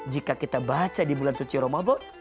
jika kita baca di bulan suci ramadan